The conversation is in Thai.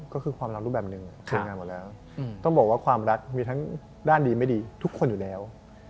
ก็คือความรักรูปแบบหนึ่งเคยงานหมดแล้วต้องบอกว่าความรักมีทั้งด้านดีไม่ดีทุกคนอยู่แล้ว